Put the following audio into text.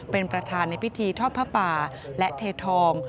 เป็นประธานในพิธีทอดผ้าป่าและเททอง